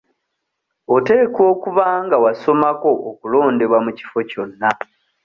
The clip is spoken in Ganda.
Oteekwa okuba nga wasomako okulondebwa mu kifo kyonna.